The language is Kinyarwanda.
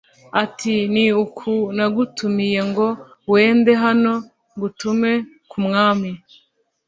ati “Ni uko nagutumiye ngo wende hano ngutume ku mwami